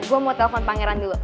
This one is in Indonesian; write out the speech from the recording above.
gue mau telpon pangeran dulu